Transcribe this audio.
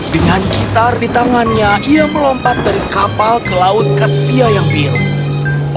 dengan gitar di tangannya ia melompat dari kapal ke laut kaspia yang biru